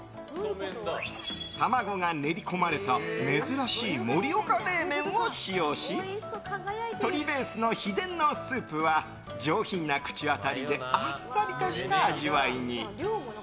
卵が練り込まれた珍しい盛岡冷麺を使用し鶏ベースの秘伝のスープは上品な口当たりであっさりとした味わいに。